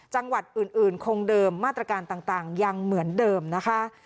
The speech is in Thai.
จังหวัดอื่นคงเดิมมาตรการต่างยังเหมือนเดิมนะคะ